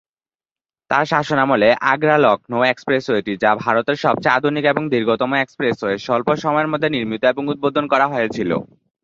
তাঁর শাসনামলে, আগ্রা-লখনউ এক্সপ্রেসওয়েটি, যা ভারতের সবচেয়ে আধুনিক এবং দীর্ঘতম এক্সপ্রেসওয়ে, স্বল্প সময়ের মধ্যে নির্মিত এবং উদ্বোধন করা হয়েছিল।